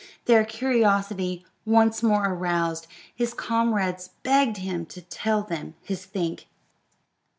Their curiosity once more aroused, his comrades begged him to tell them his think.